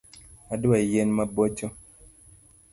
Adwa yien mabocho